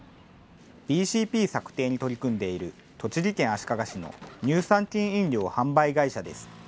ＢＣＰ策定に取り組んでいる栃木県足利市の乳酸菌飲料販売会社です。